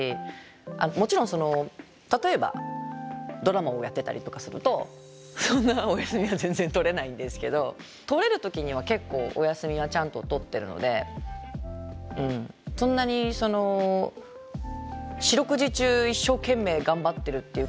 もちろん例えばドラマをやってたりとかするとそんなお休みは全然取れないんですけど取れる時には結構お休みはちゃんと取ってるのでそんなに四六時中一生懸命頑張ってるっていう感じではないです。